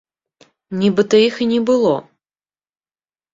Нібыта іх і не было.